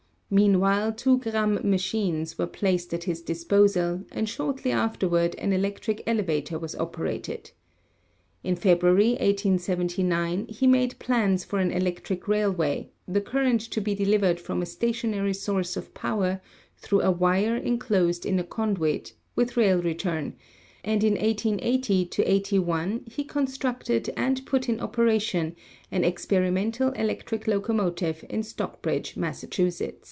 Meanwhile two Gramme machines were placed at his disposal, and shortly after ward an electric elevator was operated. In February, 1879, he made plans for an electric railway, the current to be delivered from a stationary source of power through a ELECTRIC RAILWAYS 283 wire enclosed in a conduit, with rail return, and in 1880 81 he constructed and put in operation an experimental electric locomotive in Stockbridge, Mass.